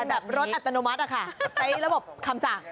เป็นแบบรสอัตโนมัติใช้ระบบคำสั่ง